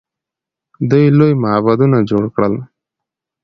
دوی لوی معبدونه جوړ کړل.